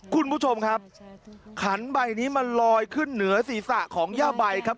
คุณผู้ชมครับขันใบนี้มันลอยขึ้นเหนือศีรษะของย่าใบครับ